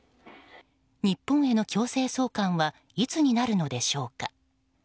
日本への強制送還はいつになるのでしょうか。